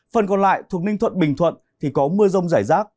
phần còn lại thuộc ninh thuận bình thuận thì có mưa rông rải rác